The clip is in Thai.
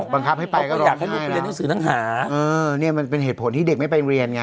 บังคับให้ไปก็อยากให้ลูกไปเรียนหนังสือทั้งหาเออเนี่ยมันเป็นเหตุผลที่เด็กไม่ไปเรียนไง